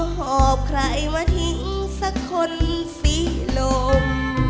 หอบใครมาทิ้งสักคนสิลม